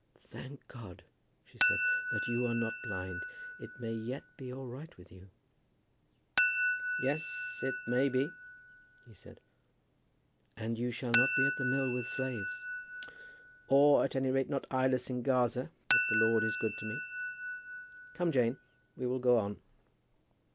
"Thank God," she said, "that you are not blind. It may yet be all right with you." "Yes, it may be," he said. "And you shall not be at the mill with slaves." "Or, at any rate, not eyeless in Gaza, if the Lord is good to me. Come, Jane, we will go on."